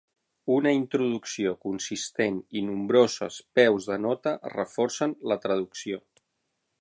Una introducció consistent i nombroses peus de nota reforcen la traducció.